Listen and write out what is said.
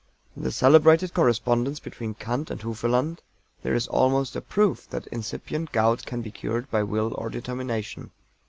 In the celebrated correspondence between KANT and HUFELAND there is almost a proof that incipient gout can be cured by will or determination.